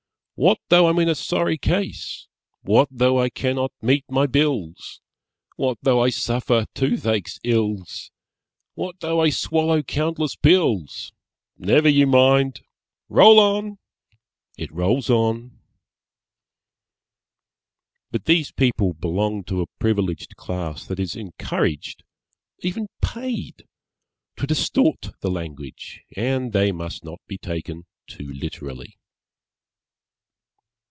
_ What though I'm in a sorry case? What though I cannot meet my bills? What though I suffer toothache's ills? What though I swallow countless pills? Never you mind Roll on! (It rolls on.) But these people belong to a privileged class that is encouraged (even paid) to distort the language, and they must not be taken too literally.